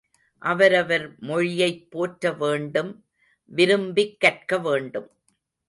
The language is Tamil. அவரவர் மொழியைப் போற்ற வேண்டும் விரும்பிக் கற்க வேண்டும்.